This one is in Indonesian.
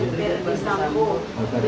bapak yang di tempat dia